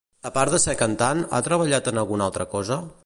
A part de ser cantant, ha treballat en alguna altra cosa?